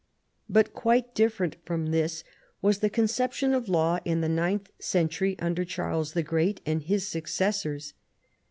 But quite different from this was the conception of law in the ninth century under Charles the Great and his successors.